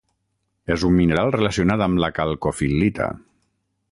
És un mineral relacionat amb la calcofil·lita.